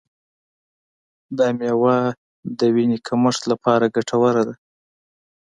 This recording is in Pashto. دا میوه د وینې کمښت لپاره ګټوره ده.